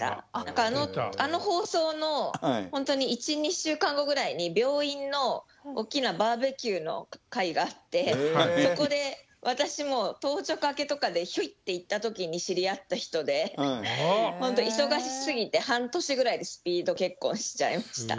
何かあの放送のほんとに１２週間後ぐらいに病院の大きなバーベキューの会があってそこで私も当直明けとかでひょいって行った時に知り合った人でほんと忙しすぎて半年ぐらいでスピード結婚しちゃいました。